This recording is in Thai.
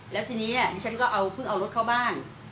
แล้วทีนี้ดิฉันก็เอาเพิ่งเอารถเข้าบ้าน